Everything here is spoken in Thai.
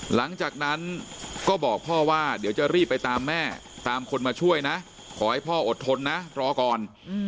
หลังจากนั้นก็บอกพ่อว่าเดี๋ยวจะรีบไปตามแม่ตามคนมาช่วยนะขอให้พ่ออดทนนะรอก่อน